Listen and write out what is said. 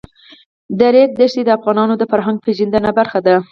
د ریګ دښتې د افغانانو د فرهنګي پیژندنې برخه ده.